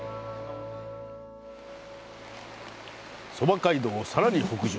そば街道をさらに北上。